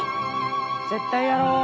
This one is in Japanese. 絶対やろう。